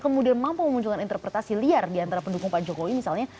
kemudian mampu memunculkan interpretasi liar diantara pendukung pak jokowi misalnya